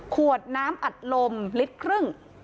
ขวดน้ำอัดลมลิตรครึ่ง